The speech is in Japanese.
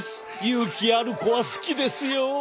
勇気ある子は好きですよ！